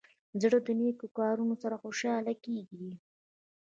زړه د نیکو کارونو سره خوشحاله کېږي.